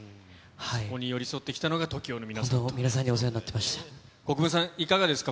そこに寄り添ってきたのがＴＯＫＩＯの皆さんですね。